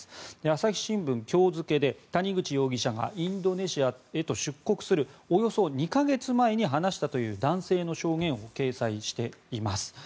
朝日新聞、今日付で谷口容疑者がインドネシアへと出国するおよそ２か月前に話したという男性の証言を掲載しています。